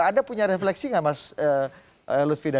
anda punya refleksi nggak mas lusvida